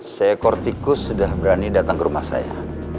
sekor tikus sudah berani datang ke rumah saya